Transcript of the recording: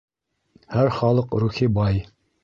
Һәр халыҡ рухи бай